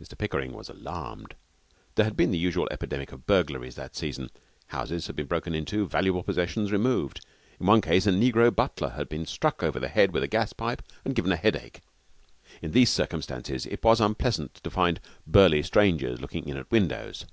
Mr Pickering was alarmed. There had been the usual epidemic of burglaries that season. Houses had been broken into, valuable possessions removed. In one case a negro butler had been struck over the head with a gas pipe and given a headache. In these circumstances, it was unpleasant to find burly strangers looking in at windows.